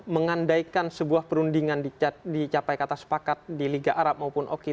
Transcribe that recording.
mengandaikan sebuah perundingan dicapai ke atas pakat di liga arab maupun oki